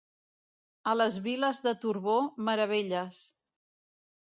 A les Viles de Turbó, meravelles.